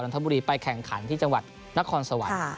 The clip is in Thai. ทบุรีไปแข่งขันที่จังหวัดนครสวรรค์